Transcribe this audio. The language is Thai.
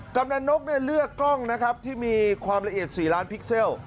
กำลังนกเนี่ยเลือกกล้องนะครับที่มีความละเอียด๔ล้านพิกเซล